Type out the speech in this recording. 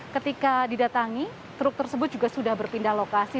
ketika didatangi truk tersebut juga sudah berpindah lokasi